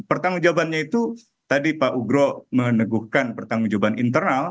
pertanggungjawabannya itu tadi pak ugro meneguhkan pertanggungjawaban internal